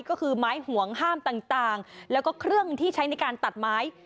ก็คือไม้ห่วงห้ามต่างแล้วก็เครื่องที่ใช้ในการตัดไม้